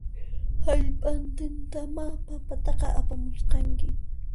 Hallp'antintamá papataqa apamusqanki